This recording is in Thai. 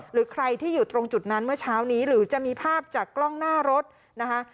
หรือใครที่อยู่ตรงจุดนั้นเมื่อเช้านี้หรือจะมีภาพจากกล้องหน้ารถนะคะ